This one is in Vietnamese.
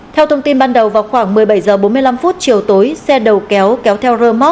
theo thông tin ban đầu vào khoảng một mươi bảy h bốn mươi năm chiều tối xe đầu kéo kéo theo rơ móc